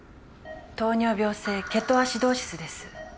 糖尿病性ケトアシドーシスです